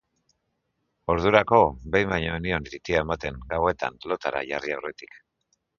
Ordurako behin baino ez nion titia ematen, gauetan, lotara jarri aurretik.